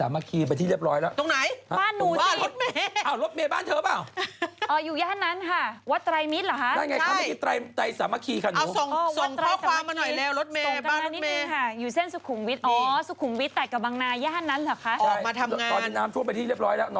มานี่หนูหาให้พี่พี่อ่านไปเลย